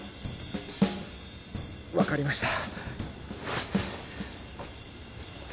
分かりました。